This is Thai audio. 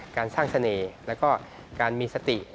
การสร้างเสน่ห์แล้วก็การมีสติ